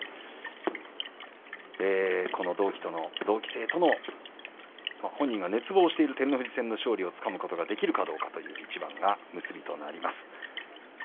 この同期生との本人が熱望している照ノ富士戦での勝利をつかむことができるかというのが結びになります。